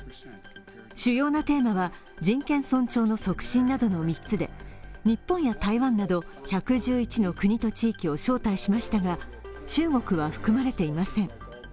主要なテーマは「人権尊重の促進」などの３つで日本や台湾など１１１の国と地域を招待しましたが、中国は含まれていません。